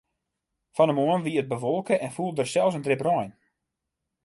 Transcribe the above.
Fan 'e moarn wie it bewolke en foel der sels in drip rein.